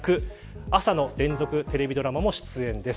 朝の連続テレビドラマにも出演です。